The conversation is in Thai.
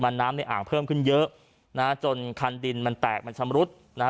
น้ำในอ่างเพิ่มขึ้นเยอะนะฮะจนคันดินมันแตกมันชำรุดนะฮะ